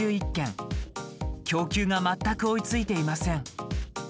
供給が全く追いついていません。